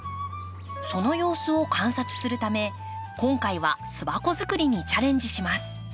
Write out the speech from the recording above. その様子を観察するため今回は巣箱作りにチャレンジします。